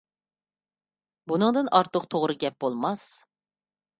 بۇنىڭدىن ئارتۇق توغرا گەپ بولماس.